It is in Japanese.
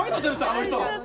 あの人。